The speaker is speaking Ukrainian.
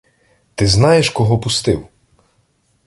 Ти знаєш, кого пустив?